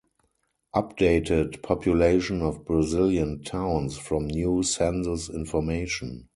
Updated population of Brazilian towns from new census information.